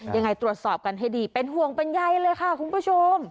ยังไงตรวจสอบกันให้ดีเป็นห่วงเป็นใยเลยค่ะคุณผู้ชม